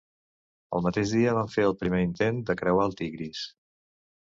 Al mateix dia, van fer el primer intent de creuar el Tigris.